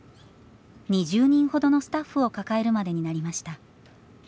２０人ほどのスタッフを抱えるまでになりました。